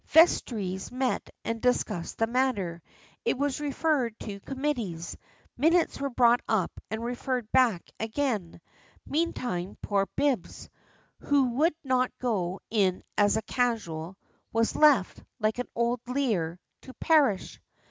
Vestries met and discussed the matter. It was referred to committees, minutes were brought up and referred back again; meantime poor Bibbs, who would not go in as a casual, was left, like old Lear, to perish.